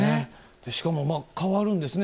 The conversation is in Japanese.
しかも変わるんですね。